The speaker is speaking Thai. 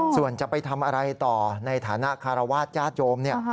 ส่วนจะไปทำอะไรต่อในฐานะคารวาสญาติโยมเนี่ย